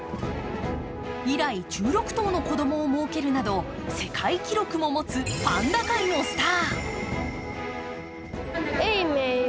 以来１６頭の子供をもうけるなど世界記録を持つパンダ界のスター。